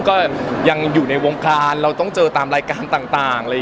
ก็ยังอยู่ในวงการเราต้องเจอตามรายการต่าง